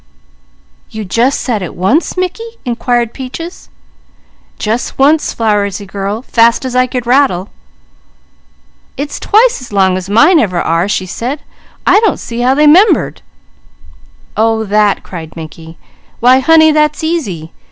"You jus' said it once, Mickey?" inquired Peaches. "Jus' once, Flowersy girl, fast as I could rattle." "It's twice as long as mine ever are," she said. "I don't see how they 'membered." "Oh that!" cried Mickey. "Why honey, that's easy!